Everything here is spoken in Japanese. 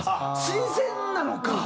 新鮮なのか！